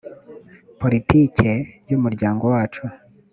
politike y umuryango wacu